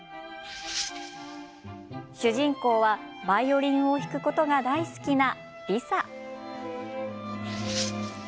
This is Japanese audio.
主人公はバイオリンを弾くことが大好きなリサ。